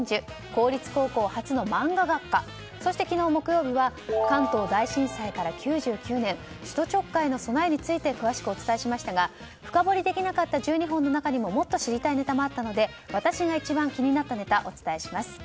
公立高校初のマンガ学科そして昨日、木曜日は関東大震災から９９年首都直下への備えについて詳しくお伝えしましたが深掘りできなかった１２本の中にももっと知りたいネタがあったので私が一番気になったネタをお伝えします。